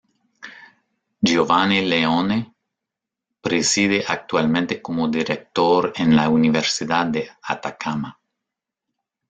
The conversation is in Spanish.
Giovanni Leone preside actualmente como director en la Universidad de Atacama.